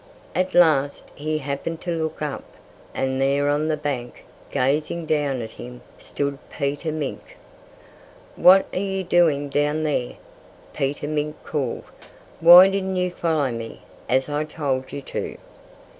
At last he happened to look up. And there on the bank, gazing down at him, stood Peter Mink. "What are you doing down there?" Peter Mink called. "Why didn't you follow me, as I told you to?"